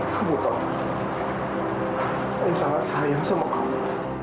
kamu tahu ayah sangat sayang sama kamu